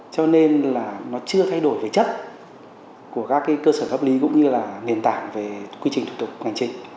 cho nên là nó chưa thay đổi về chất của các cơ sở pháp lý cũng như là nền tảng về quy trình thủ tục hành trình